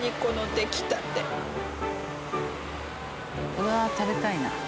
うわあ食べたいな。